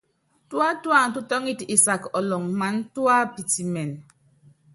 Tuátúan tútɔ́ŋɛt isak ɔlɔŋ maná tuá pitimɛn.